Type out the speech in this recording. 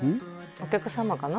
お客様かな？